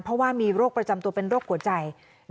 เพราะว่ามีโรคประจำตัวเป็นโรคหัวใจ